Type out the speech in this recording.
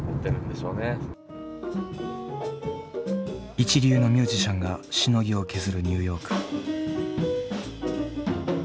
一流のミュージシャンがしのぎを削るニューヨーク。